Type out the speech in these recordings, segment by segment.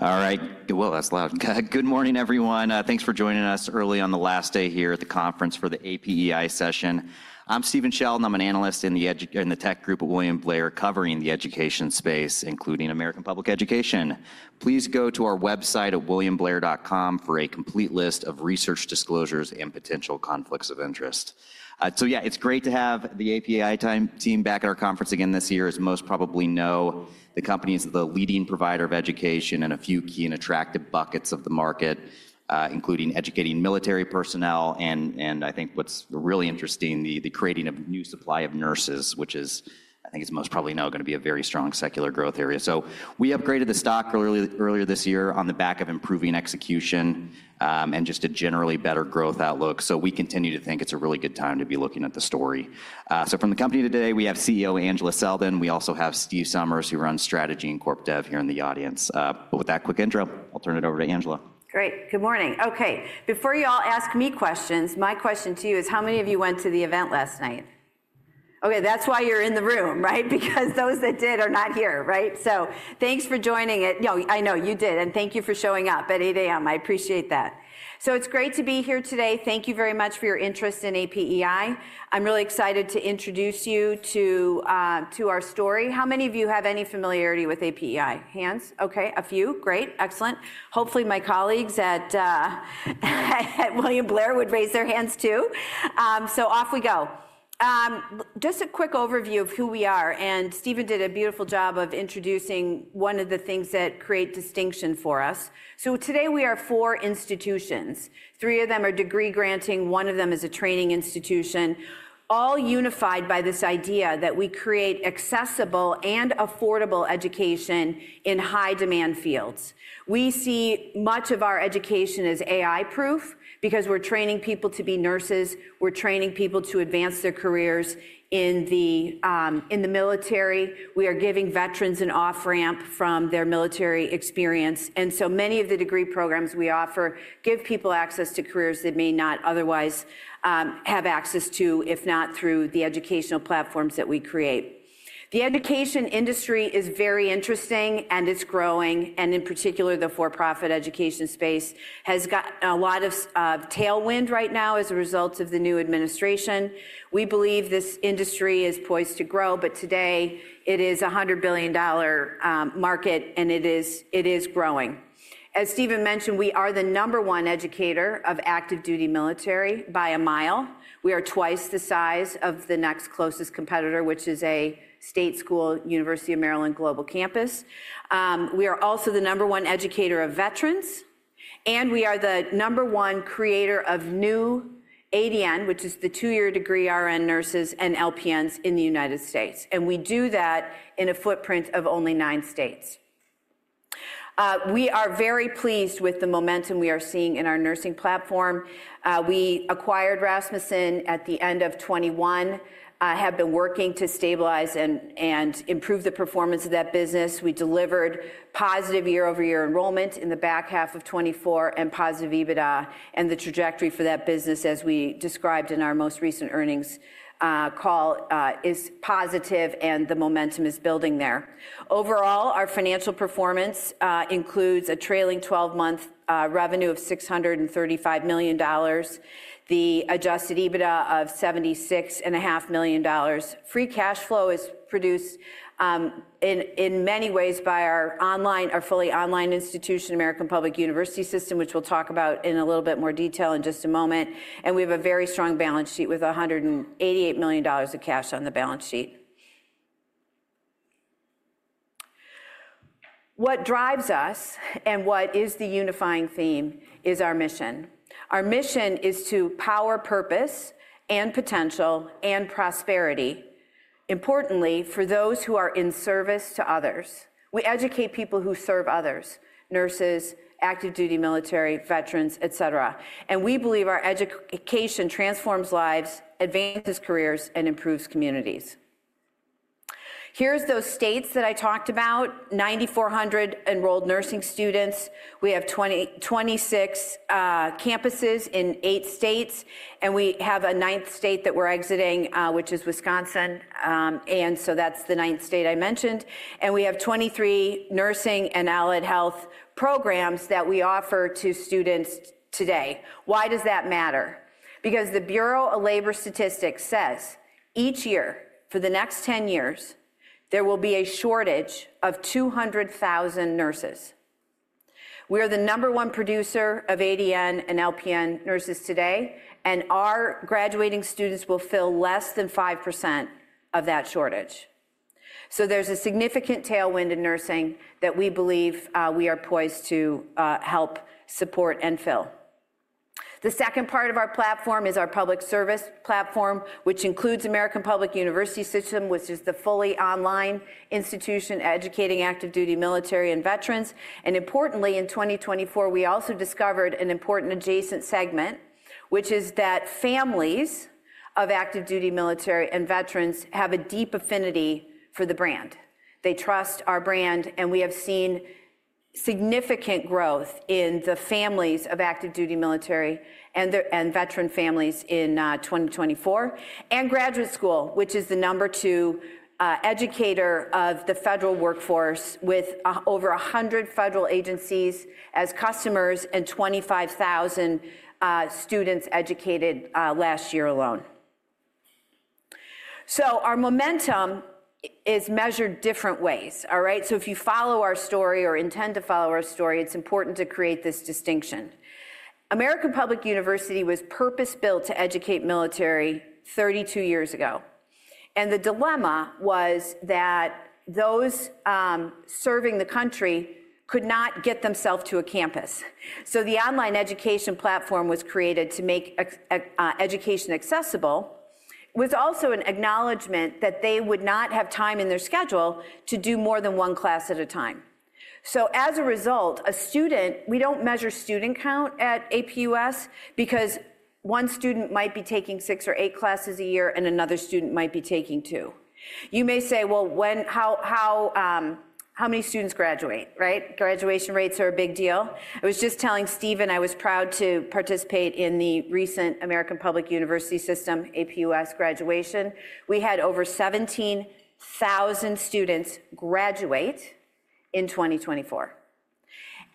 All right, that's loud. Good morning everyone. Thanks for joining us early on the last day here at the conference for the APEI session. I'm Stephen Sheldon and I'm an analyst in the Edu in the tech group at William Blair covering the education space, including American Public Education. Please go to our website at williamblair.com for a complete list of research disclosures and potential conflicts of interest. Yeah, it's great to have the APEI team back at our conference again this year. As most probably know, the company is the leading provider of education in a few key and attractive buckets of the market, including educating military personnel. I think what's really interesting, the creating of new supply of nurses, which is, I think it's most probably now going to be a very strong secular growth area. We upgraded the stock earlier this year on the back of improving execution and just a generally better growth outlook. We continue to think it's a really good time to be looking at the story. From the company today, we have CEO Angela Selden. We also have Steve Somers who runs Strategy and Corp Dev here in the audience. With that quick intro, I'll turn it over to Angela. Great. Good morning. Okay, before you all ask me questions, my question to you is how many of you went to the event last night? Okay. That is why you are in the room. Right. Because those that did are not here. Right. Thanks for joining it. I know you did. And thank you for showing up at 8:00 A.M. I appreciate that. It is great to be here today. Thank you very much for your interest in APEI. I am really excited to introduce you to our story. How many of you have any familiarity with APEI? Hands? Okay, a few. Great. Excellent. My colleagues at William Blair would raise their hands too. Off we go. Just a quick overview of who we are. Steven did a beautiful job of introducing one of the things that create distinction for us today. We are four institutions. Three of them are degree granting, one of them is a training institution, all unified by this idea that we create accessible and affordable education in high demand fields. We see much of our education as AI proof because we're training people to be nurses. We're training people to advance their careers in the military. We are giving veterans an off ramp from their military experience. And so many of the degree programs we offer give people access to careers they may not otherwise have access to, if not through the educational platforms that we create. The education industry is very interesting and it's growing. In particular, the for profit education space has got a lot of tailwind right now as a result of the new administration. We believe this industry is poised to grow. Today it is a $100 billion market and it is growing. As Steven mentioned, we are the number one educator of active duty military by a mile. We are twice the size of the next closest competitor which is a state school, University of Maryland Global Campus. We are also the number one educator of veterans and we are the number one creator of new ADN, which is the two year degree RN nurses, and LPNs in the United States. We do that in a footprint of only nine states. We are very pleased with the momentum we are seeing in our nursing platform. We acquired Rasmussen at the end of 2021, have been working to stabilize and improve the performance of that business. We delivered positive year over year enrollment in the back half of 2024 and positive EBITDA. The trajectory for that business as we described in our most recent earnings call is positive and the momentum is building there. Overall, our financial performance includes a trailing twelve month revenue of $635 million. The adjusted EBITDA of $76.5 million. Free cash flow is produced in many ways by our online, our fully online institution American Public University System, which we'll talk about in a little bit more detail in just a moment. A very strong balance sheet with $188 million of cash on the balance sheet. What drives us and what is the unifying theme is our mission. Our mission is to power, purpose and potential and prosperity, importantly for those who are in service to others. We educate people who serve others, nurses, active duty military, veterans, et cetera. We believe our education transforms lives, advances careers and improves communities. are those states that I talked about. 9,400 enrolled nursing students. We have 26 campuses in eight states. We have a ninth state that we are exiting, which is Wisconsin. That is the ninth state I mentioned. We have 23 nursing and allied health programs that we offer to students today. Why does that matter? Because the Bureau of Labor Statistics says each year for the next 10 years there will be a shortage of 200,000 nurses. We are the number one producer of ADN and LPN nurses today. Our graduating students will fill less than 5% of that shortage. There is a significant tailwind in nursing that we believe we are poised to help support and fill. The second part of our platform is our public service platform, which includes American Public University System, which is the fully online institution educating active duty military and veterans. Importantly, in 2024, we also discovered an important adjacent segment, which is that families of active duty military and veterans have a deep affinity for the brand. They trust our brand. We have seen significant growth in the families of active duty military and veteran families in 2024. Graduate school, which is the number two educator of the federal workforce, with over 100 federal agencies as customers and 25,000 students educated last year alone. Our momentum is measured different ways. If you follow our story or intend to follow our story, it is important to create this distinction. American Public University was purpose built to educate military 32 years ago. The dilemma was that those serving the country could not get themselves to a campus. The online education platform was created to make education accessible was also an acknowledgement that they would not have time in their schedule to do more than one class at a time. As a result, a student. We do not measure student count at APUS because one student might be taking six or eight classes a year and another student might be taking two. You may say, how many students graduate? Right. Graduation rates are a big deal. I was just telling Stephen I was proud to participate in the recent American Public University System APUS graduation. We had over 17,000 students graduate in 2024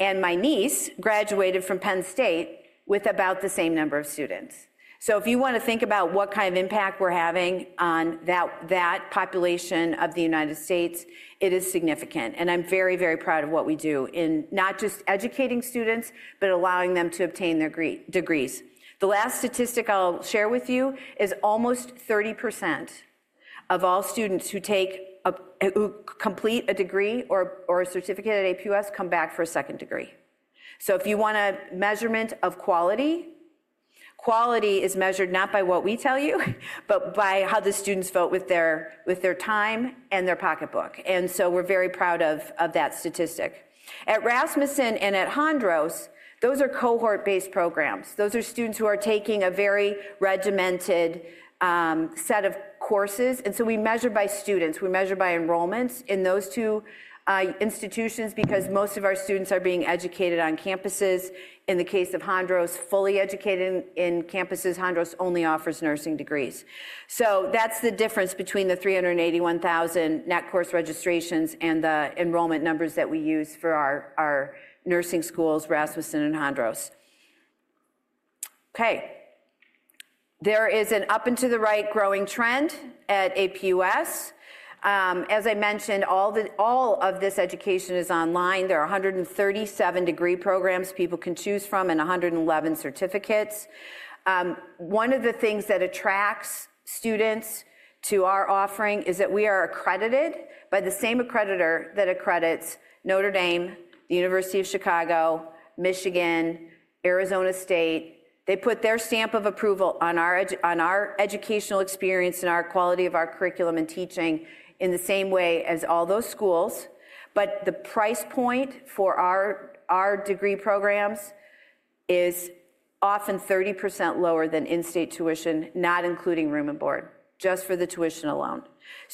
and my niece graduated from Penn State with about the same number of students. If you want to think about what kind of impact we are having on that population of the United States, it is significant. I'm very, very proud of what we do in not just educating students, but allowing them to obtain their degrees. The last statistic I'll share with you is almost 30% of all students who complete a degree or a certificate at APUS come back for a second degree if you want a measurement of quality. Quality is measured not by what we tell you, but by how the students vote with their time and their pocketbook. We're very proud of that statistic at Rasmussen and at Hondros. Those are cohort-based programs. Those are students who are taking a very regimented set of courses. We measure by students, we measure by enrollments in those two institutions because most of our students are being educated on campuses, in the case of Hondros, fully educated in campuses. Hondros only offers nursing degrees. That's the difference between the 381,000 NAT course registrations and the enrollment numbers that we use for our nursing schools, Rasmussen and Hondros. There is an up and to the right growing trend at APUS. As I mentioned, all of this education is online. There are 137 degree programs people can choose from and 111 certificates. One of the things that attracts students to our offering is that we are accredited by the same accreditor that accredits Notre Dame, the University of Chicago, Michigan, Arizona State. They put their stamp of approval on our educational experience and our quality of our curriculum and teaching in the same way as all those schools. The price point for our degree programs is often 30% lower than in-state tuition, not including room and board, just for the tuition alone.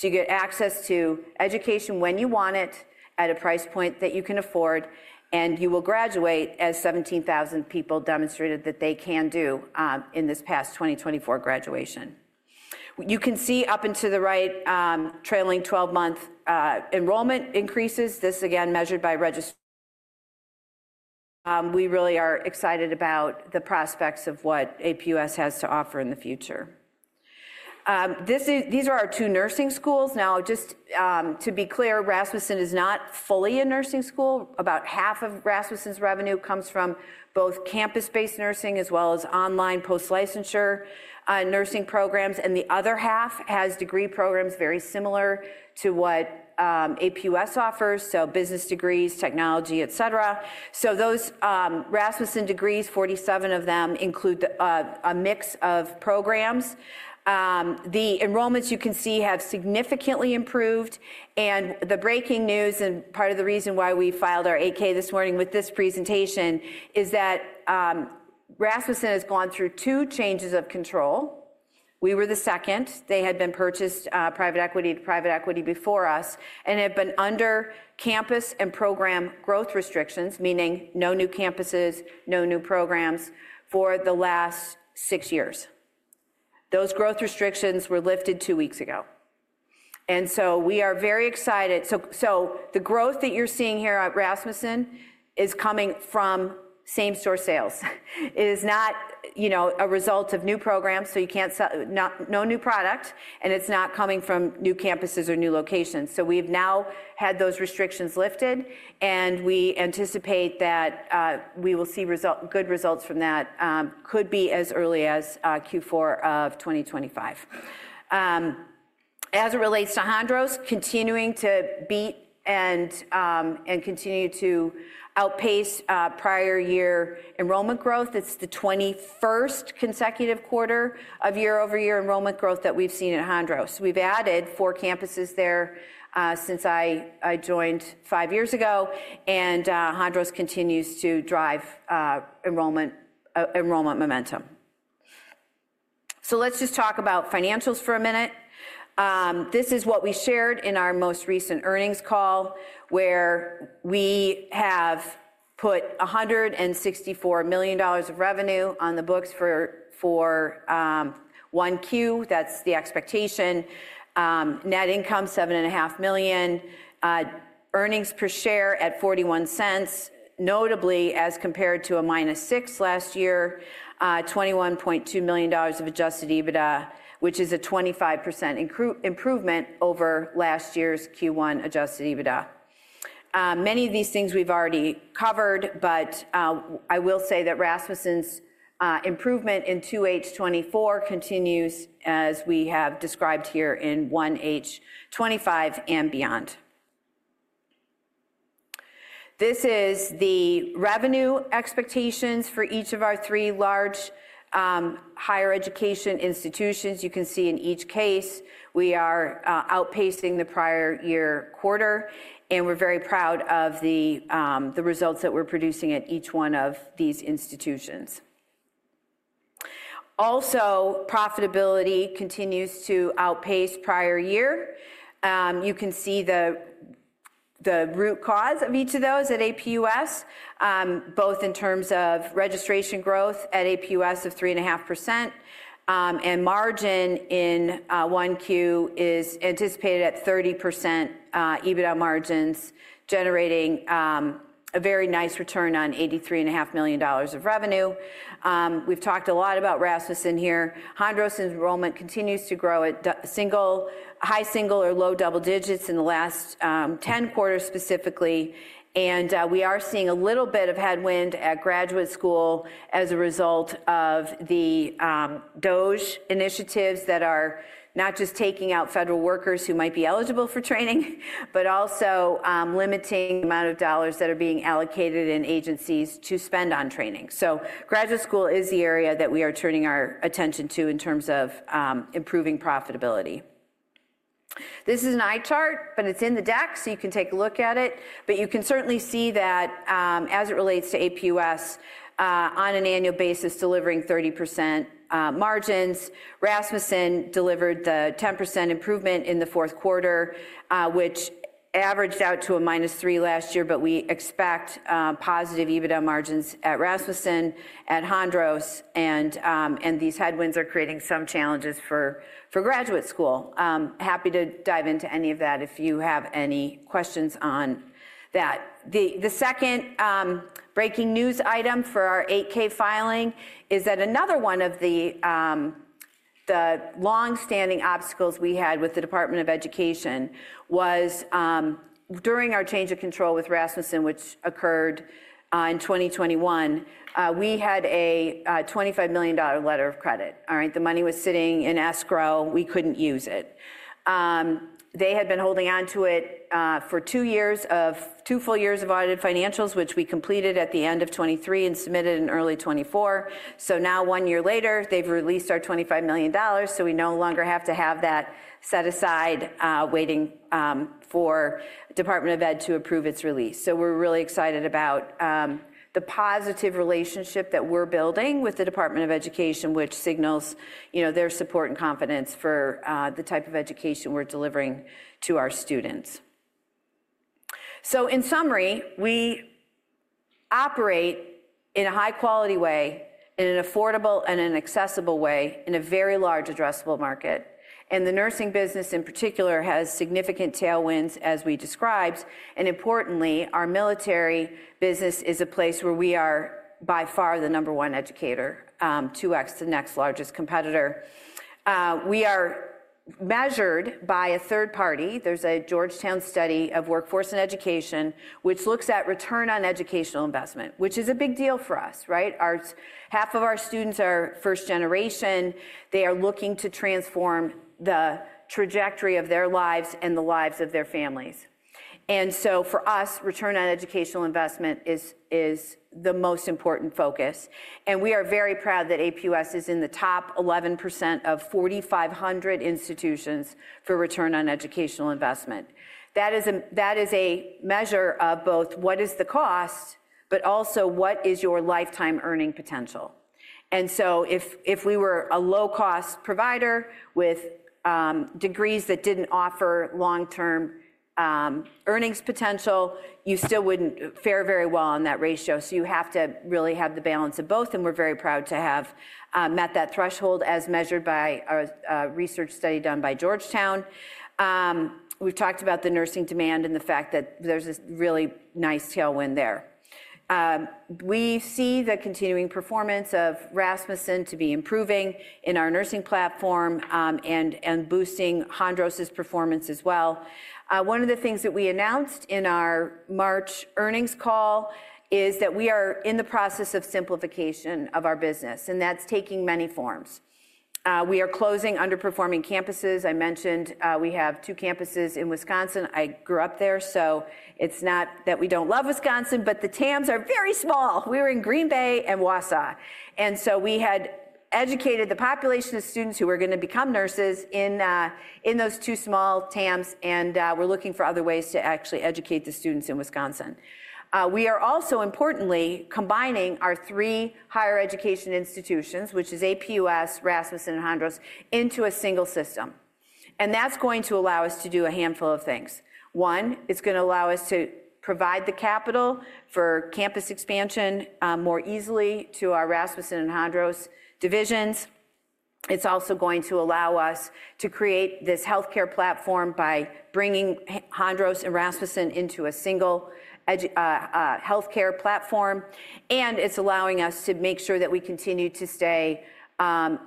You get access to education when you want it at a price point that you can afford, and you will graduate as 17,000 people demonstrated that they can do in this past 2024 graduation. You can see up and to the right trailing twelve month enrollment increases. This again measured by Regist. We really are excited about the prospects of what APUS has to offer in the future. These are our two nursing schools. Now just to be clear, Rasmussen is not fully a nursing school. About half of Rasmussen's revenue comes from both campus based nursing as well as online post licensure nursing programs, and the other half has degree programs very similar to what APUS offers. So business degrees, technology, et cetera. Those Rasmussen degrees, 47 of them, include a mix of programs. The enrollments you can see have significantly improved and the breaking news and part of the reason why we filed our 8-K this morning with this presentation is that Rasmussen has gone through two changes of control. We were the second. They had been purchased private equity to private equity before us and have been under campus and program growth restrictions, meaning no new campuses, no new programs for the last six years. Those growth restrictions were lifted two weeks ago and we are very excited. The growth that you're seeing here at Rasmussen is coming from same store sales. It is not a result of new programs. You can't sell no new product and it's not coming from new campuses or new locations. We've now had those restrictions lifted and we anticipate that we will see good results from that. Could be as early as Q4 of 2025. As it relates to Hondros continuing to beat and continue to outpace prior year enrollment growth. It is the 21st consecutive quarter of year over year enrollment growth that we have seen at Hondros. We have added four campuses there since I joined five years ago and Hondros continues to drive enrollment momentum. Let's just talk about financials for a minute. This is what we shared in our most recent earnings call where we have put $164 million of revenue on the books for 1Q. That is the expectation. Net income $7.5 million, earnings per share at $0.41, notably as compared to a -$6 last year, $21.2 million of adjusted EBITDA, which is a 25% improvement over last year's Q1 adjusted EBITDA. Many of these things we've already covered, but I will say that Rasmussen's improvement in 2H2024 continues as we have described here in 1H2025 and beyond. This is the revenue expectations for each of our three large higher education institutions. You can see in each case we are outpacing the prior year quarter and we're very proud of the results that we're producing at each one of these institutions. Also, profitability continues to outpace prior year. You can see the root cause of each of those at APUS both in terms of registration. Growth at APUS of 3.5% and margin in 1Q is anticipated at 30% EBITDA margins generating a very nice return on $83.5 million of revenue. We've talked a lot about Rasmussen in here. Hondros enrollment continues to grow at high single or low double digits in the last 10 quarters specifically. We are seeing a little bit of headwind at graduate school as a result of the DOGE initiatives that are not just taking out federal workers who might be eligible for training, but also limiting the amount of dollars that are allocated in agencies to spend on training. Graduate school is the area that we are turning our attention to in terms of improving profitability. This is an eye chart, but it's in the deck so you can take a look at it. You can certainly see that as it relates to APUS on an annual basis delivering 30% margins. Rasmussen delivered the 10% improvement in the fourth quarter which averaged out to a minus three last year. We expect positive EBITDA margins at Rasmussen, at Hondros, and these headwinds are creating some challenges for graduate school. Happy to dive into any of that if you have any questions on that. The second breaking news item for our 8-K filing is that another one of the long standing obstacles we had with the Department of Education was during our change of control with Rasmussen, which occurred in 2021, we had a $25 million letter of credit. All right, the money was sitting in escrow. We could not use it. They had been holding onto it for two years of two full years of audited financials, which we completed at the end of 2023 and submitted in early 2024. Now, one year later, they have released our $25 million. We no longer have to have that set aside, waiting for Department of Ed to approve its release. We're really excited about the positive relationship that we're building with the Department of Education, which signals their support and confidence for the type of education we're delivering to our students. In summary, we operate in a high quality way, in an affordable and an accessible way, in a very large addressable market. The nursing business in particular has significant tailwinds as we described. Importantly, our military business is a place where we are by far the number one educator, 2x the next largest competitor. We are measured by a third party. There's a Georgetown study of workforce and education which looks at return on educational investment, which is a big deal for us, right? Half of our students are first generation. They are looking to transform the trajectory of their lives and the lives of their families. For us, return on educational investment is the most important focus. We are very proud that APUS is in the top 11% of 4,500 institutions for return on educational investment. That is a measure of both what is the cost, but also what is your lifetime earning potential. If we were a low cost provider with degrees that did not offer long term earnings potential, you still would not fare very well on that ratio. You have to really have the balance of both. We are very proud to have met that threshold as measured by a research study done by Georgetown. We have talked about the nursing demand and the fact that there is this really nice tailwind there. We see the continuing performance of Rasmussen to be improving in our nursing platform and boosting Hondros performance as well. One of the things that we announced in our March earnings call is that we are in the process of simplification of our business and that's taking many forms. We are closing underperforming campuses. I mentioned we have two campuses in Wisconsin. I grew up there. It is not that we do not love Wisconsin, but the TAMs are very small. We were in Green Bay and Wausau, and we had educated the population of students who were going to become nurses in those two small TAMs. We are looking for other ways to actually educate the students in Wisconsin. We are also importantly combining our three higher education institutions, which is APUS, Rasmussen, and Hondros, into a single system. That is going to allow us to do a handful of things. One, it's going to allow us to provide the capital for campus expansion more easily to our Rasmussen and Hondros divisions. It's also going to allow us to create this healthcare platform by bringing Hondros and Rasmussen into a single healthcare platform. It's allowing us to make sure that we continue to stay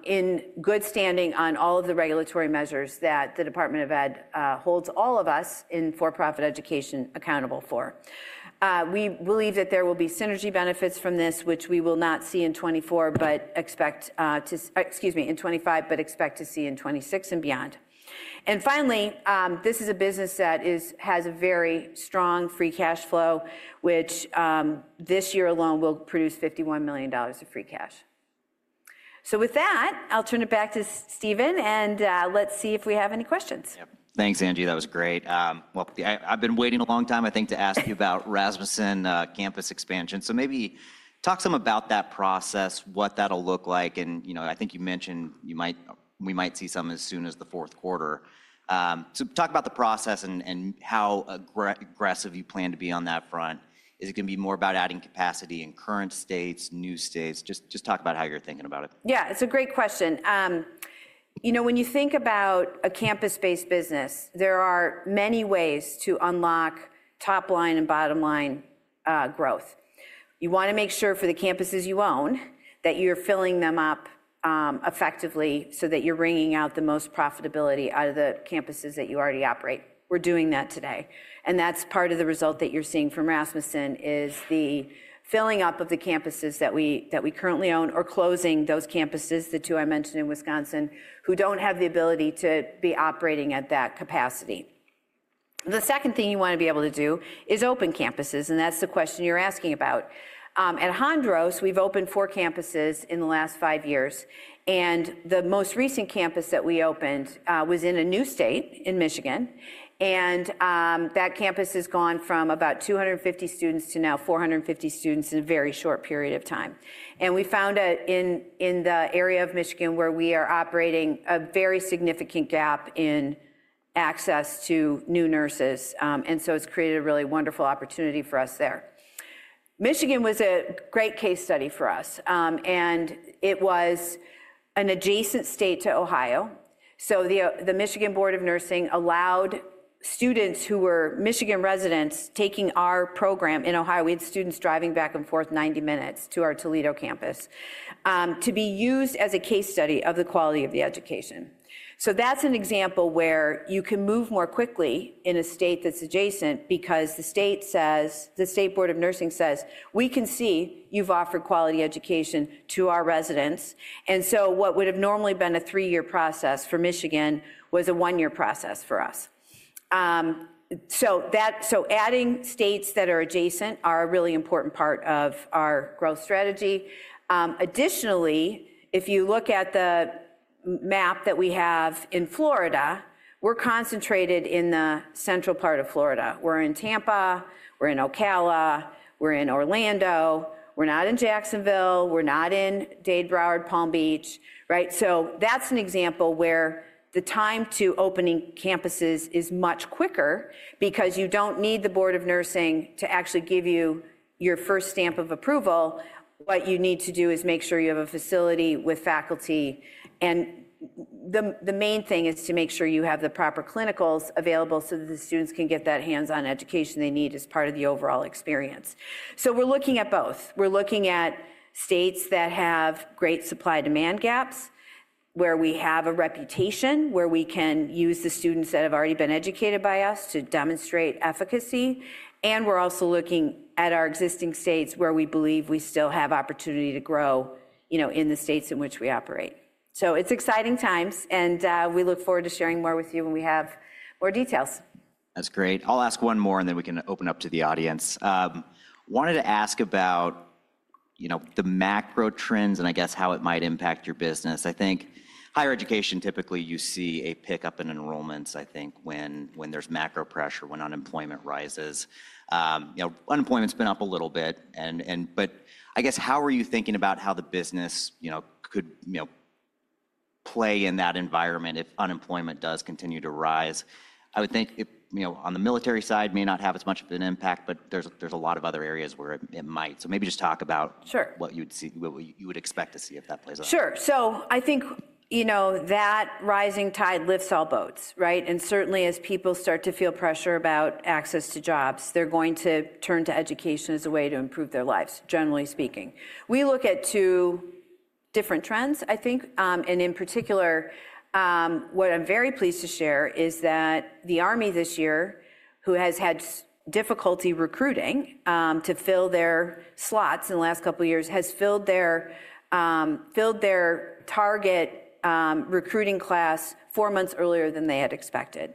in good standing on all of the regulatory measures that the Department of Ed holds all of us in for-profit education accountable for. We believe that there will be synergy benefits from this, which we will not see in 2024, but expect to, excuse me, in 2025, but expect to see in 2026 and beyond. Finally, this is a business that has a very strong free cash flow which this year alone will produce $51 million of free cash. With that, I'll turn it back to Stephen and let's see if we have any questions. Thanks Angie. That was great. I have been waiting a long time, I think, to ask you about Rasmussen campus expansion. Maybe talk some about that process, what that will look like. You know, I think you mentioned we might see some as soon as the fourth quarter. Talk about the process and how aggressive you plan to be on that front. Is it going to be more about adding capacity in current states, new states? Just talk about how you are thinking about it. Yeah, it's a great question. You know, when you think about a campus-based business, there are many ways to unlock top line and bottom line growth. You want to make sure for the campuses you own that you're filling them up effectively so that you're bringing out the most profitability out of the campuses that you already operate. We're doing that today. That's part of the result that you're seeing from Rasmussen is the filling up of the campuses that we currently own or closing those campuses. The two I mentioned in Wisconsin, who don't have the ability to be operating at that capacity. The second thing you want to be able to do is open campuses. That's the question you're asking about. At Hondros, we've opened four campuses in the last five years. The most recent campus that we opened was in a new state in Michigan. That campus has gone from about 250 students to now 450 students in a very short period of time. We found in the area of Michigan where we are operating a very significant gap in access to new nurses. It has created a really wonderful opportunity for us there. Michigan was a great case study for us and it was an adjacent state to Ohio. The Michigan Board of Nursing allowed students who were Michigan residents taking our program in Ohio. We had students driving back and forth 90 minutes to our Toledo campus to be used as a case study of the quality of the education. That's an example where you can move more quickly in a state that's adjacent because the state says, the State Board of Nursing says, we can see you've offered quality education to our residents. What would have normally been a three year process for Michigan was a one year process for us. Adding states that are adjacent are a really important part of our growth strategy. Additionally, if you look at the map that we have in Florida, we're concentrated in the central part of Florida. We're in Tampa, we're in Ocala, we're in Orlando, we're not in Jacksonville, we're not in Dade, Broward, Palm Beach. That's an example where the time to opening campuses is much quicker because you don't need the Board of Nursing to actually give you your first stamp of approval. What you need to do is make sure you have a facility with faculty. The main thing is to make sure you have the proper clinicals available so that the students can get that hands-on education they need as part of the overall experience. We are looking at both, we are looking at states that have great supply-demand gaps, where we have a reputation, where we can use the students that have already been educated by us to demonstrate efficacy. We are also looking at our existing states where we believe we still have opportunity to grow in the states in which we operate. It is exciting times and we look forward to sharing more with you when we have more details. That's great. I'll ask one more and then we can open up to the audience. Wanted to ask about, you know, the macro trends and I guess how it might impact your business. I think higher education, typically you see a pickup in enrollments. I think when there's macro pressure, when unemployment rises, you know, unemployment's been up a little bit, and, but I guess how are you thinking about how the business, you know, could, you know, play in that environment if unemployment does continue to rise? I would think on the military side may not have as much of an impact, but there's a lot of other areas where it might. So maybe just talk about what you'd see, you would expect to see if that plays out. Sure. I think that rising tide lifts all boats. Right. Certainly as people start to feel pressure about access to jobs, they're going to turn to education as a way to improve their lives. Generally speaking, we look at two different trends, I think, and in particular what I'm very pleased to share is that the Army this year, who has had difficulty recruiting to fill their slots in the last couple years, has filled their target recruiting class four months earlier than they had expected.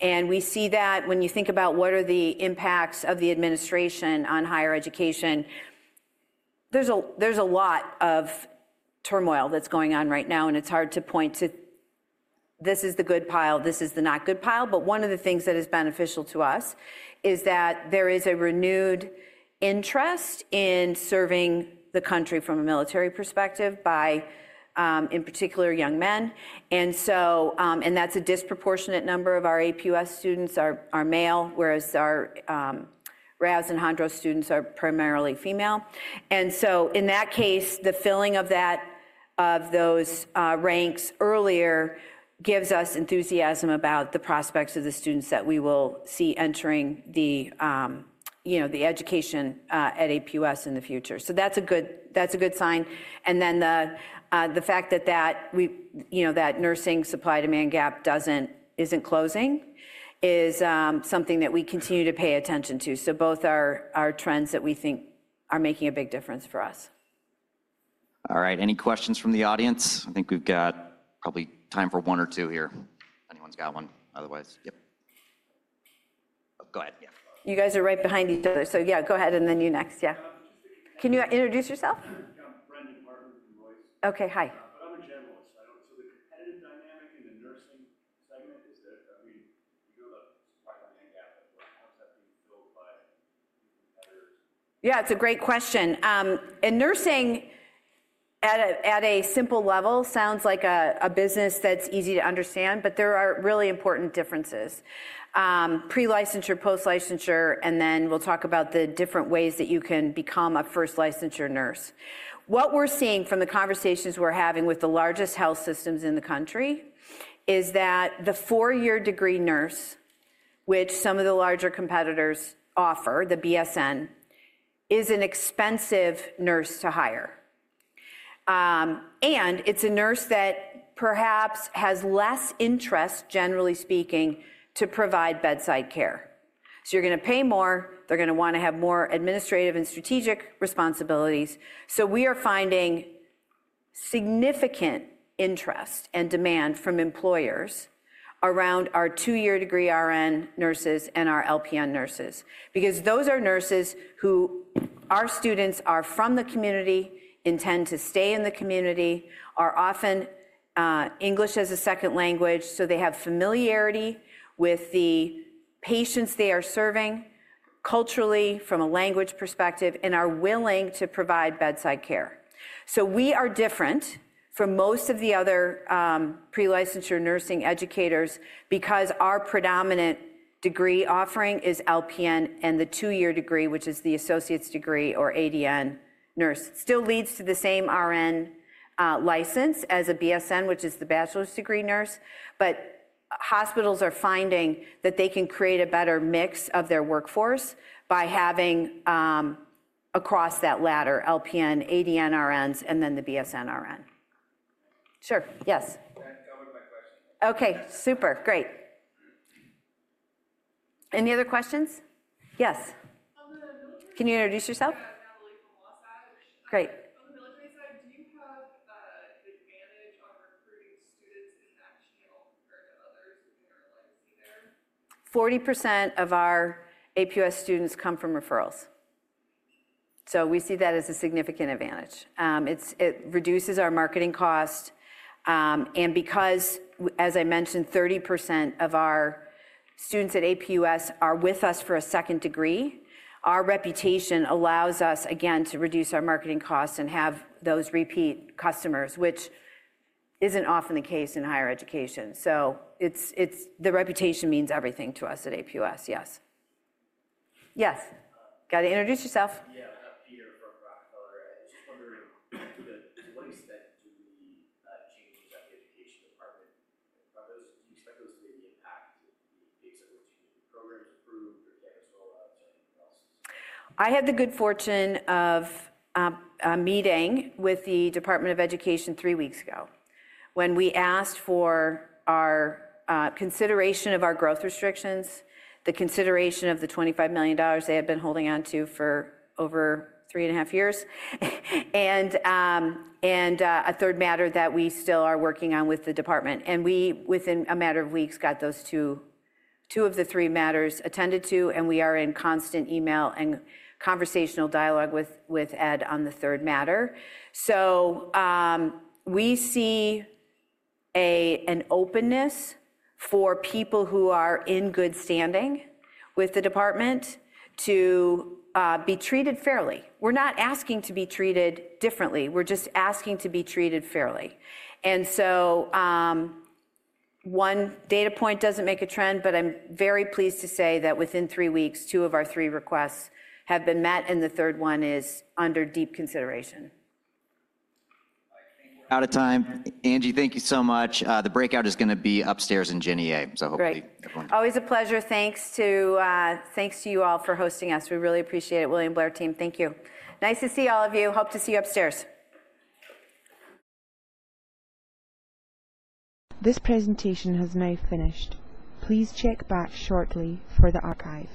We see that. When you think about what are the impacts of the administration on higher education, there's a lot of turmoil that's going on right now and it's hard to point to. This is the good pile, this is the not good pile. One of the things that is beneficial to us is that there is a renewed interest in serving the country from a military perspective by, in particular, young men. A disproportionate number of our APUS students are male, whereas our Rasmussen and Hondros students are primarily female. In that case, the filling of those ranks earlier gives us enthusiasm about the prospects of the students that we will see entering the education at APUS in the future. That is a good sign. The fact that the nursing supply demand gap is not closing is something that we continue to pay attention to. Both are trends that we think are making a big difference for us. All right, any questions from the audience? I think we've got probably time for one or two here. Anyone's got one otherwise? Yep, go ahead. Yeah, you guys are right behind each other, so. Yeah, go ahead. And then you next. Yeah, can you introduce yourself? Okay, hi. I'm a generalist. So the competitive dynamic in the nursing segment is there. I mean, you know, the supply demand gap, how's that being built by competitors? Yeah, it's a great question. Nursing at a simple level sounds like a business that's easy to understand, but there are really important differences pre-licensure, post-licensure, and then we'll talk about the different ways that you can become a first licensure nurse. What we're seeing from the conversations we're having with the largest health systems in the country is that the four-year degree nurse, which some of the larger competitors offer, the BSN, is an expensive nurse to hire and it's a nurse that perhaps has less interest, generally speaking, to provide bedside care. You're going to pay more, they're going to want to have more administrative and strategic responsibilities. We are finding significant interest and demand from employers around our two-year degree RN nurses and our LPN nurses because those are nurses who, our students are from the community, intend to stay in the community, are often English as a second language so they have familiarity with the patients they are serving culturally from a language perspective and are willing to provide bedside care. We are different from most of the other pre-licensure nursing educators because our predominant degree offering is LPN. The two-year degree, which is the associate's degree or ADN nurse, still leads to the same RN license as a BSN, which is the bachelor's degree nurse. Hospitals are finding that they can create a better mix of their workforce by having across that ladder LPN, ADN RNs and then the BSN RN. Sure. Yes. Okay. Super. Great. Any other questions? Yes, can you introduce yourself? Great. Do you have advantage on recruiting students in that channel compared to others in your legacy there? 40% of our APUS students come from referrals. We see that as a significant advantage. It reduces our marketing cost. As I mentioned, 30% of our students at APUS are with us for a second degree, our reputation allows us again to reduce our marketing costs and have those repeat customers, which is not often the case in higher education. The reputation means everything to us at APUS. Yes. Yes. Gotta introduce yourself. Yeah. Peter from Rockefeller. I was just wondering to what extent do we change the Education Department impact programs approved? I had the good fortune of meeting with the Department of Education three weeks ago when we asked for our consideration of our growth restrictions, the consideration of the $25 million they had been holding on to for over three and a half years, and a third matter that we still are working on with the department, and we within a matter of weeks got those two of the three matters attended to, and we are in constant email and conversational dialogue with ED on the third matter. We see an openness for people who are in good standing with the department to be treated fairly. We're not asking to be treated differently, we're just asking to be treated fairly. One data point doesn't make a trend. I'm very pleased to say that within three weeks two of our three requests have been met and the third one is under deep consideration. Out of time Angie, thank you so much. The breakout is going to be upstairs in Jennie A. Hopefully everyone, always a pleasure. Thanks to you all for hosting us. We really appreciate it. William Blair Team, thank you. Nice to see all of you. Hope to see you upstairs. This presentation has now finished. Please check back shortly for the archive.